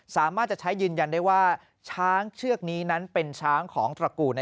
สามารถจะใช้ยืนยันได้ว่าช้างเชือกนี้นั้นเป็นช้างของตระกูล